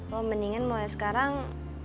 lo mendingan mulai sekarang